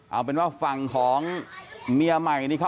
เอาเป็นว่าฝั่งของเมียใหม่นี่เขา